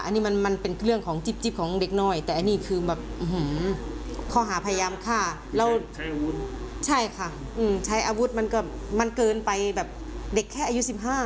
อันนี้มันเป็นเรื่องของจิ๊บของเด็กน้อยแต่อันนี้คือแบบข้อหาพยายามฆ่าแล้วใช่ค่ะใช้อาวุธมันก็มันเกินไปแบบเด็กแค่อายุ๑๕